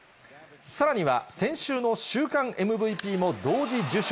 さらには、先週の週間ＭＶＰも同時受賞。